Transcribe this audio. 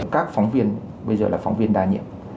các phóng viên bây giờ là phóng viên đa nhiệm